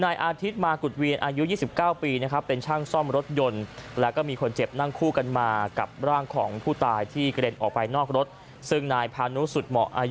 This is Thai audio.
นายอาทิตย์มากุฎเวียนอายุ๒๙ปีนะครับเป็นช่างซ่อมรถยนต์